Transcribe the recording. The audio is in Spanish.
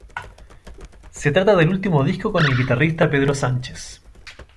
Se trata del último disco con el guitarrista Pedro Sánchez.